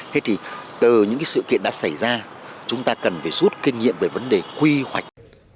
thế thì từ những sự kiện đã xảy ra chúng ta cần phải rút kinh nghiệm về vấn đề quy hoạch